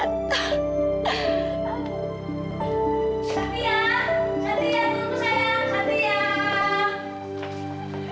satu ya satu ya tunggu sayang satu ya